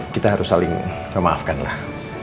kita harus saling memaafkan lah